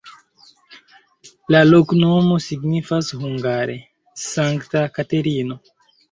La loknomo signifas hungare: Sankta Katerino.